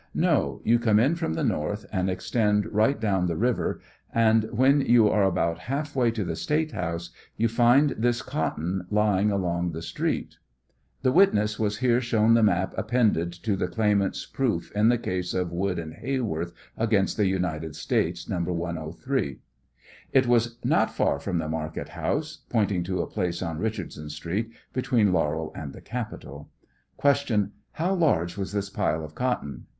No; you come in from the north, and extend right down the river, and when you are about half way to the State house you find this cotton lying along the the street. 60 [The witness was here shown the map appended to the claimants' proof in the case of Wood & Hey worth against the United States, No. 103.] It was not far from the market house, [pointing to a place on Rich ardson street, between Laurel and the capitol.] Q. How large was this pile of cotton